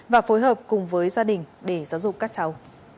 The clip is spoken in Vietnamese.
và phối hợp cùng với gia đình để giáo dục các cháu